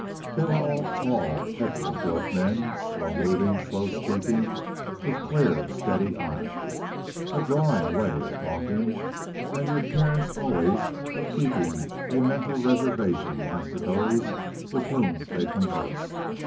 They were all tall, heavily built men, slow moving, slow speaking, with clear, steady eyes, a drawling way of talking, and the appearance always of keeping a mental reservation as to those with whom they conversed.